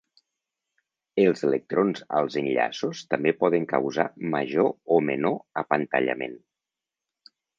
Els electrons als enllaços també poden causar major o menor apantallament.